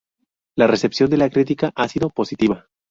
La recepción de la crítica ha sido positiva.